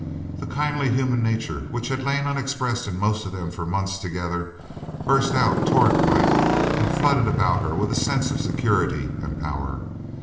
The kindly human nature which had lain unexpressed in most of them for months together burst out torrent like and flooded about her with a sense of security and power.